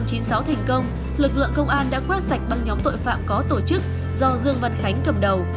chuyên án k năm trăm chín mươi sáu thành công lực lượng công an đã quét sạch băng nhóm tội phạm có tổ chức do dương văn khánh cầm đầu